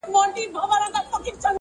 غلامي مي دا یوه شېبه رخصت کړه-